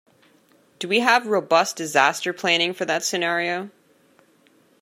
Do we have robust disaster planning for that scenario?